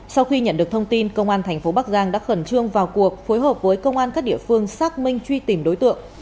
sau khi nhận được thông tin công an thành phố bắc giang đã khẩn trương vào cuộc phối hợp với công an các địa phương xác minh truy tìm đối tượng